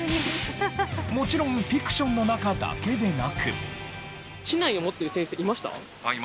もちろんフィクションの中だけでなく。